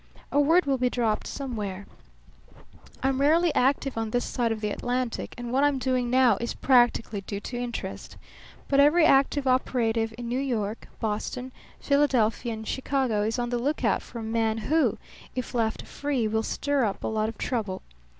A word will be dropped somewhere. I'm rarely active on this side of the Atlantic; and what I'm doing now is practically due to interest. But every active operative in New York, Boston, Philadelphia, and Chicago is on the lookout for a man who, if left free, will stir up a lot of trouble.